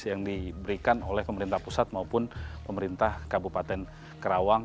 yang diberikan oleh pemerintah pusat maupun pemerintah kabupaten kerawang